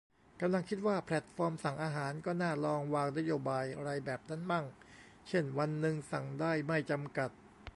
กำลังคิดว่า แพลตฟอร์มสั่งอาหารก็น่าลองวางนโยบายไรแบบนั้นมั่ง เช่น วันนึงสั่งได้ไม่จำกัด